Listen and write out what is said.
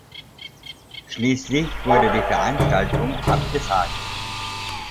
Schließlich wurde die Veranstaltung abgesagt.